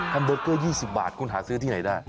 เบอร์เกอร์๒๐บาทคุณหาซื้อที่ไหนได้